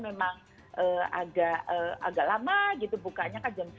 memang agak lama gitu bukanya kan jam sembilan